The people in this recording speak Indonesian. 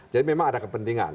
jadi memang ada kepentingan